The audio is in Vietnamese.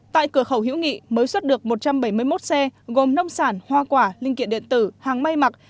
tại cửa khẩu hữu nghị mới xuất được một trăm bảy mươi một xe gồm nông sản hoa quả linh kiện điện tử hàng may mặc